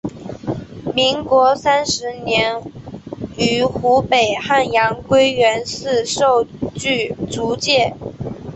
民国三十年于湖北汉阳归元寺受具足戒。